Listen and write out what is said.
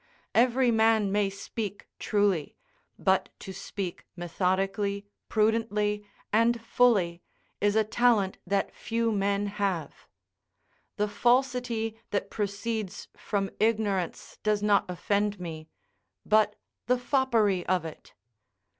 Every man may speak truly, but to speak methodically, prudently, and fully, is a talent that few men have. The falsity that proceeds from ignorance does not offend me, but the foppery of it.